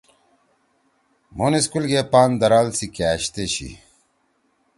مُھن سکول گے پان درال سی کأش تے چھی۔